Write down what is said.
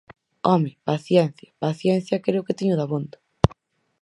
¡Home!, paciencia... paciencia creo que teño dabondo.